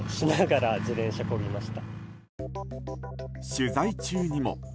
取材中にも。